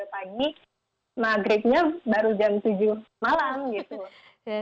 pagi maghribnya baru jam tujuh malam gitu